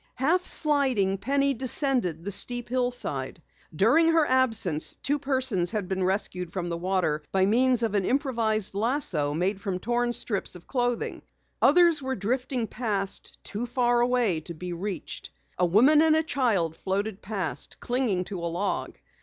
Half sliding, Penny descended the steep hillside. During her absence two persons had been rescued from the water by means of an improvised lasso made from torn strips of clothing. Others were drifting past, too far away to be reached. A woman and a child floated past, clinging to a log.